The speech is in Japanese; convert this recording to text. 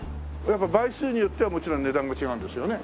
やっぱ倍数によってはもちろん値段が違うんですよね？